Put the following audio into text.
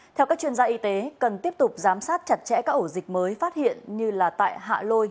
theo các chuyên gia y tế cần tiếp tục giám sát chặt chẽ các ổ dịch mới phát hiện như là tại hạ lôi